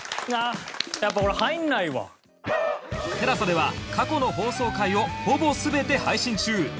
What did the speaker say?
ＴＥＬＡＳＡ では過去の放送回をほぼ全て配信中！